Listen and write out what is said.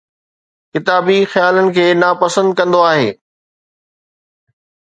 ڪتابي خيالن کي ناپسند ڪندو آهي